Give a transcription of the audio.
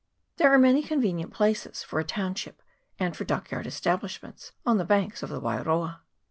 There are many convenient places for a township and for dockyard establishments on the banks of the Wairoa.